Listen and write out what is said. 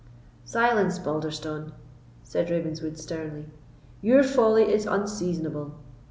"Silence, Balderstone!" said Ravenswood, sternly; "your folly is unseasonable.